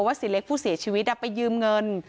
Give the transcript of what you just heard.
เสียเล็กผู้เสียชีวิตไปยืมเงิน